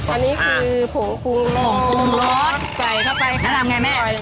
อันนี้คือผงครูรสใส่เข้าไปอ่ะทำอย่างไรแม่สลอย